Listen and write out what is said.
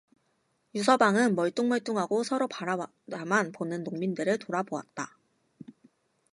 유서방은 멀뚱멀뚱하고 서로 바라다만 보는 농민들을 돌아보았다.